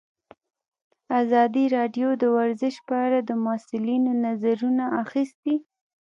ازادي راډیو د ورزش په اړه د مسؤلینو نظرونه اخیستي.